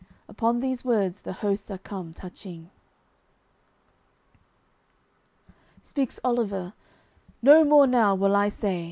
Upon these words the hosts are come touching. AOI. XCII Speaks Oliver: "No more now will I say.